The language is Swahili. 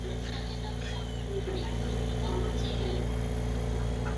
huesabiwa kama mwisho wa Israeli ya Kale